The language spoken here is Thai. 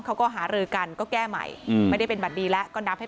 เขาก็หารือกันก็แก้ใหม่ไม่ได้เป็นบัตรดีแล้วก็นับให้